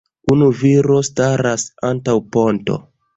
Unu viro staras antaŭ ponto.